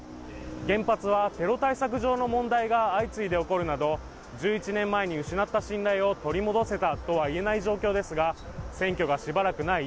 原発はテロ対策上の問題が相次いで起こるなど１１年前に失った信頼を取り戻せたとはいえない状況ですが選挙がしばらくない